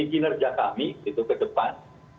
untuk bisa memperbaiki kinerja kami ke depan